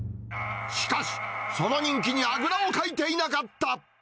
しかし、その人気にあぐらをかいていなかった。